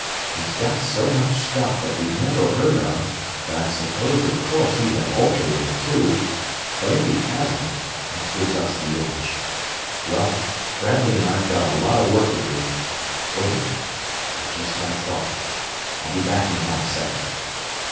He's got so much stuff that we've never heard of that I supposed of course he'd have ultra wave, too; but if he hasn't, that gives us the edge. Well, Bradley and I've got a lot of work to do.... Wait a minute, I just had a thought. I'll be back in about a second."